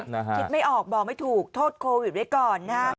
คิดไม่ออกบอกไม่ถูกโทษโควิดไว้ก่อนนะฮะ